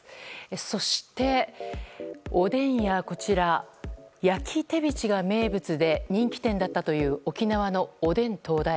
そして、おでんや焼きテビチが名物で人気店だったという沖縄のおでん東大。